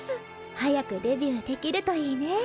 はやくデビューできるといいね。